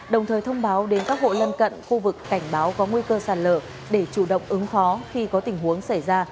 đồng thời thông báo đến các hộ lân cận khu vực cảnh báo có nguy cơ sạt lở để chủ động ứng phó khi có tình huống xảy ra